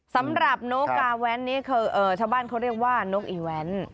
สำหรับนกกาแว้นนี้คือชาวบ้านเขาเรียกว่านกอีแว้น